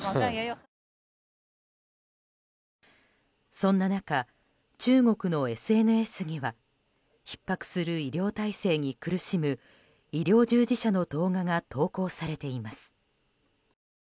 そんな中、中国のＳＮＳにはひっ迫する医療体制に苦しむ医療従事者の動画が投稿されています。